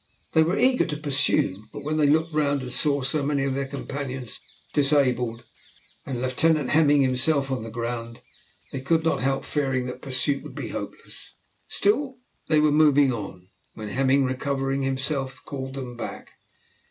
They were eager to pursue, but when they looked round and saw so many of their companions disabled, and Lieutenant Hemming himself on the ground, they could not help fearing that pursuit would be hopeless. Still they were moving on, when Hemming, recovering himself, called them back.